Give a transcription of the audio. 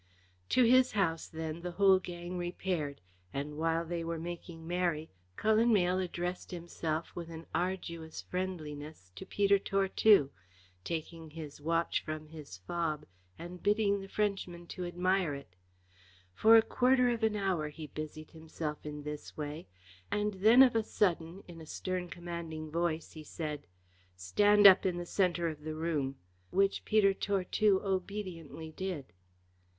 To his house then the whole gang repaired, and while they were making merry, Cullen Mayle addressed himself with an arduous friendliness to Peter Tortue, taking his watch from his fob and bidding the Frenchman admire it. For a quarter of an hour he busied himself in this way, and then of a sudden in a stern commanding voice he said: "Stand up in the centre of the room," which Peter Tortue obediently did.